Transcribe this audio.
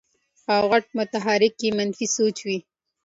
او غټ محرک ئې منفي سوچ وي -